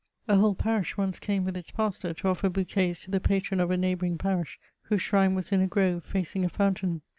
A whole parish once came with its pastor to offer bouquets to the patron of a neighbouring parish, whose shrine was in a grove, facing a fountain.